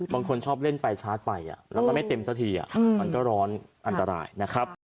บางคนชอบเล่นไปชาร์จไปแล้วมันไม่เต็มสักทีมันก็ร้อนอันตรายนะครับ